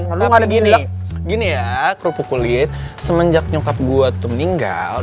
karena gini gini ya kerupuk kulit semenjak nyukap gue tuh meninggal